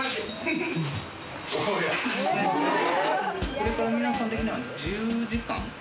これから皆さん的には自由時間？